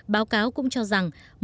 báo cáo cũng cho rằng